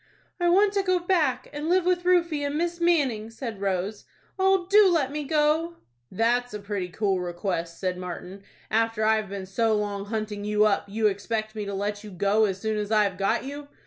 "I want to go back, and live with Rufie and Miss Manning," said Rose. "Oh, do let me go!" "That's a pretty cool request," said Martin. "After I've been so long hunting you up, you expect me to let you go as soon as I've got you.